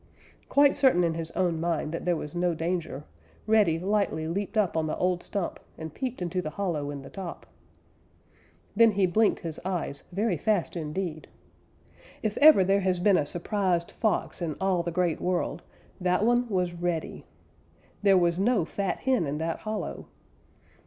Quite certain in his own mind that there was no danger, Reddy lightly leaped up on the old stump and peeped into the hollow in the top. Then he blinked his eyes very fast indeed. If ever there has been a surprised Fox in all the Great World that one was Reddy. There was no fat hen in that hollow!